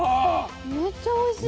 めっちゃおいしい。